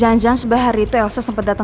enggak posisi kita memang tulus